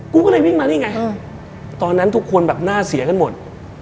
กูก็เลยวิ่งมานี่ไงตอนนั้นทุกคนแบบหน้าเสียกันหมด